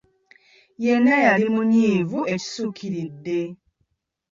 Yenna yali munyiivu ekisukkiridde.